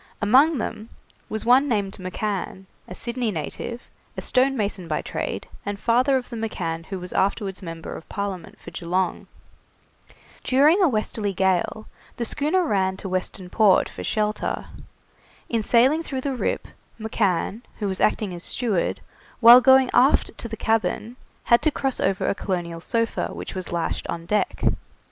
Among them was one named McCann, a Sydney native, a stonemason by trade, and father of the McCann who was afterwards member of Parliament for Geelong. During a westerly gale the schooner ran to Western Port for shelter. In sailing through the Rip, McCann, who was acting as steward, while going aft to the cabin, had to cross over a colonial sofa which was lashed on deck.